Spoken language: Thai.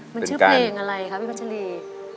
มันชื่อเพลงอะไรคะพี่พัชรี